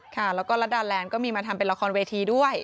ค่ะแล้วก็ลัดดาแลนด์ก็มีมาทำเป็นละครเวทีด้วย